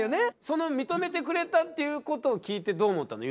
その認めてくれたっていうことを聞いてどう思ったの？